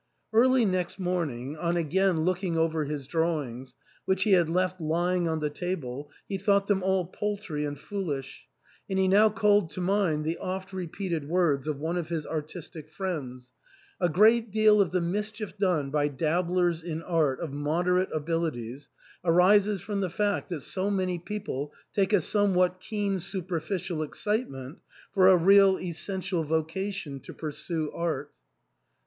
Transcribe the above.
Early next morning, on again looking over his drawings, which he had left lying on the table he thought them all paltry and foolish, and he now called to mind the oft repeated words of one of his artistic friends, " A great deal of the mischief done by dabblers in art of moderate abilities arises from the fact that so many people take a somewhat keen super ficial excitement for a real essential vocation to pur sue art."